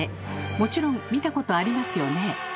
もちろん見たことありますよね？